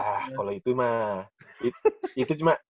nah kalau itu mah